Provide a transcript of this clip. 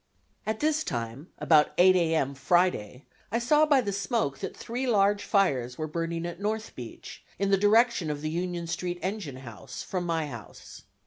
At this time, about 8 A. M. Friday, I saw by the smoke that three large fires were burning at North Beach, in the direction of the Union Street engine house, from my house.